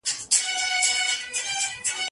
زه چي غرغړې ته ورختلم اسمان څه ویل